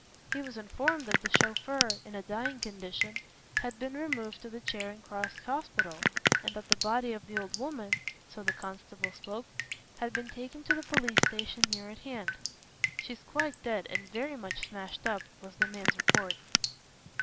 He was informed that the chauffeur, in a dying condition, had been removed to the Charing Cross Hospital, and that the body of the old woman so the constable spoke had been taken to the police station near at hand. "She's quite dead and very much smashed up," was the man's report.